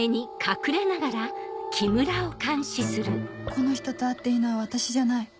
この人と会っていいのは私じゃない